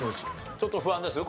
ちょっと不安ですよ